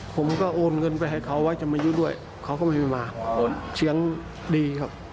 ผมก็โอนเงินไปให้เขาไว้จะมายุด้วยเขาก็ไม่มาโอนเสียงดีครับ